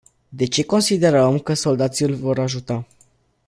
De ce considerăm că soldații îl vor ajuta?